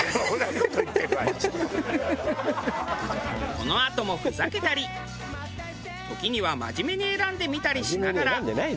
このあともふざけたり時には真面目に選んでみたりしながら。